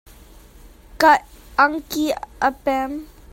Ka angki a pem.